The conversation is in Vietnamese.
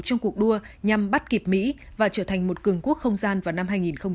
trong cuộc đua nhằm bắt kịp mỹ và trở thành một cường quốc không gian vào năm hai nghìn hai mươi